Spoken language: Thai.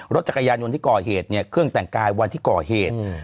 รถจักรยานยนต์ที่ก่อเหตุเนี่ยเครื่องแต่งกายวันที่ก่อเหตุ